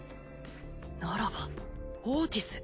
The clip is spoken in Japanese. ならばオーティス？